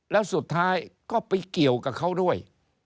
แล้วสุดท้ายก็ไปเกี่ยวกับเขาด้วย